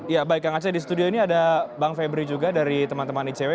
ya baik kang aceh di studio ini ada bang febri juga dari teman teman icw